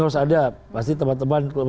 harus ada pasti teman teman